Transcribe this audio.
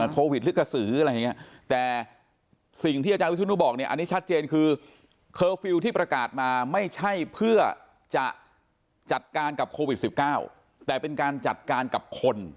หรือกระสืออะไรอย่างนี้แต่สิ่งที่อาจารย์วิศนุบอกเนี่ยอันนี้ชัดเจนคือเคอร์ฟิลล์ที่ประกาศมาไม่ใช่เพื่อจะจัดการกับโควิด๑๙แต่เป็นการจัดการกับคน